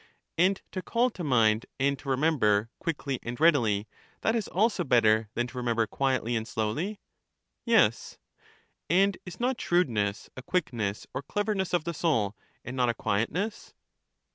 And to call to mind, and to remember, quickly and readily — that is also better than to remember quietly and slowly? Yes. And is not shrewdness a quickness or cleverness of the soul, and not a quietness?